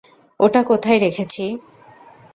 ওটা কোথায় রেখেছি?